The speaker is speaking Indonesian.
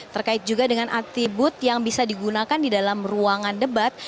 terkait juga dengan atribut yang bisa digunakan di dalam ruangan debat